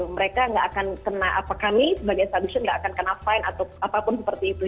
mereka nggak akan kena apa kami sebagai substan nggak akan kena fine atau apapun seperti itu